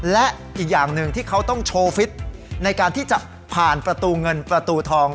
และอีกอย่างหนึ่งที่เขาต้องโชว์ฟิตในการที่จะผ่านประตูเงินประตูทอง